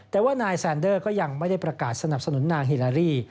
แต่ว่านายแซนเดอร์ก็ยังไม่ได้ประกาศสนับสนุนนางฮิลารี่